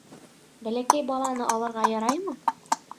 Бәләкәй баланы алырға яраймы?